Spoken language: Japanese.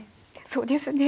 そうですね。